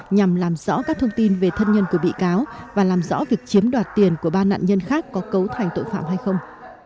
nhằm làm rõ các thông tin về thân nhân của bị cáo và làm rõ việc chiếm đoạt tiền của ba nạn nhân khác có cấu thành tội phạm hay không